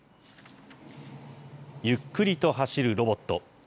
ゆっくりと走るロボット。